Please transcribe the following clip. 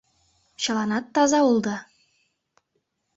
Чыланат таза улыда?..»